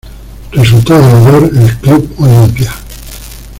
Resultó ganador el Club Olimpia.